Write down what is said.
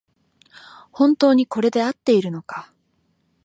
本当にこれであっているのか